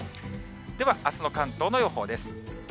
では、あすの関東の予報です。